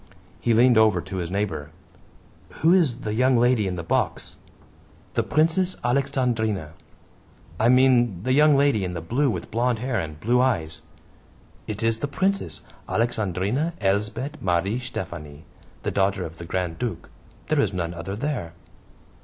He leaned over to his neighbor. "Who is the young lady in the box?" "The Princess Alexandrine." "I mean the young lady in blue with blond hair and blue eyes." "It is the Princess Alexandrine Elsbeth Marie Stephanie, the daughter of the Grand Duke there is none other there."